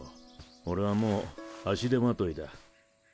俺はもう足手まといだ。